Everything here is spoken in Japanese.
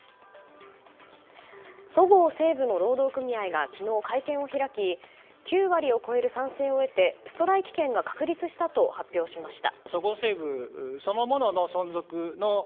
そごう・西武の労働組合が昨日、会見を開き９割を超える賛成を得てストライキ権が確立したと発表しました。